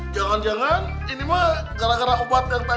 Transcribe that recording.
jangan jangan ini mah gara gara obat yang tadi dimakan